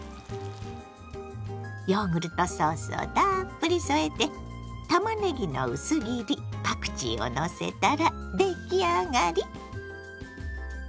ヨーグルトソースをたっぷり添えてたまねぎの薄切りパクチーをのせたら出来上がり。